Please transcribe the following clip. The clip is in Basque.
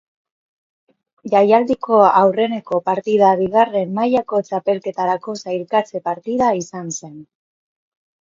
Jaialdiko aurreneko partida bigarren mailako txapelketarako sailkatze partida izan zen.